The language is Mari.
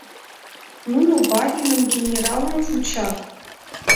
Нуно бариным, генералым вучат!..